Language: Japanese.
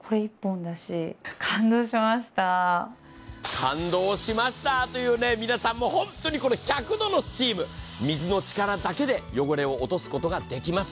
感動しましたという、もう皆さん、本当にこれ、１００度のスチーム、水の力だけで汚れを落とすことができます。